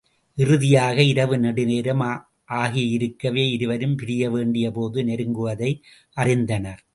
இறுதியாக, இரவு நெடுநேரம் ஆகியிருக்கவே இருவரும் பிரியவேண்டிய போது நெருங்குவதை அறிந்தனர்.